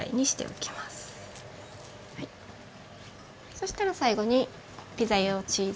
そしたら最後にピザ用チーズを。